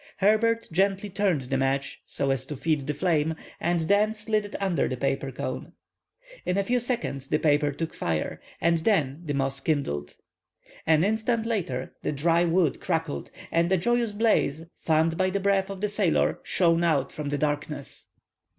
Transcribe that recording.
Herbert gently turned the match, so as to feed the flame, and then slid it under the paper cone. In a few seconds the paper took fire, and then the moss kindled. An instant later, the dry wood crackled, and a joyous blaze, fanned by the breath of the sailor, shone out from the darkness.